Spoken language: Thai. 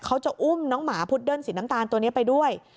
เขาจะอุ้มน้องหมาพุดเดิ้ลสีน้ำตาลตัวนี้ไปด้วย